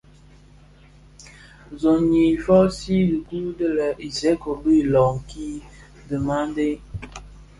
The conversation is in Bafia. Zohnyi fusii dhikuu di le Isékos bi iloňki dhimandé.